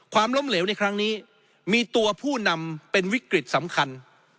ความล้มเหลวในครั้งนี้มีตัวผู้นำเป็นวิกฤตสำคัญ